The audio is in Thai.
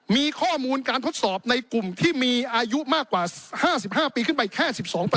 มีข้อมูลการทดสอบในกลุ่มที่มีอายุมากกว่า๕๕ปีขึ้นไปแค่๑๒